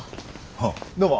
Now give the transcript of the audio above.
ああどうも。